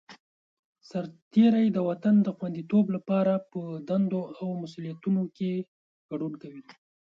سرتېری د وطن د خوندیتوب لپاره په دندو او مسوولیتونو کې ګډون کوي.